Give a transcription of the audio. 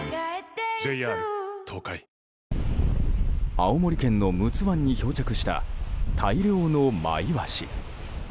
青森県の陸奥湾に漂着した大量のマイワシ。